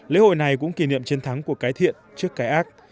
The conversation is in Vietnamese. lễ hội này cũng kỷ niệm chiến thắng của cái thiện trước cái ác